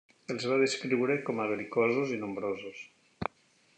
Els va descriure com a bel·licosos i nombrosos.